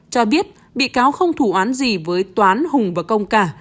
cho biết bị cáo không thủ án gì với toán hùng và công cả